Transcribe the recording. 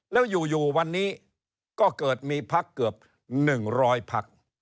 แล้วอยู่วันนี้ก็เกิดมีพักเกือบ๑๐๐พัก